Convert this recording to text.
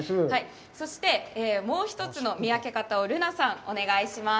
そして、もう一つの見分け方をるなさん、お願いします。